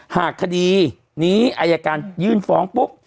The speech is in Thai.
หากคดีนี้อายการยื่นฟ้องปุ๊บ